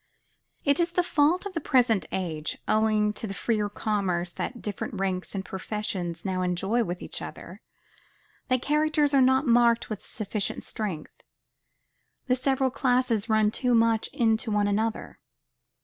It is the fault of the present age, owing to the freer commerce that different ranks and professions now enjoy with each other, that characters are not marked with sufficient strength; the several classes run too much into one another.